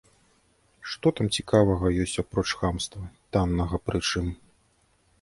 Што там цікавага ёсць апроч хамства, таннага прычым?